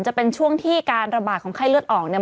จะเป็นช่วงที่การระบาดของไข้เลือดออกเนี่ย